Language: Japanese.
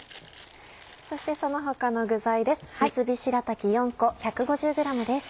そしてその他の具材です。